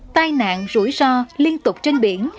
tai nạn rủi ro liên tục trên biển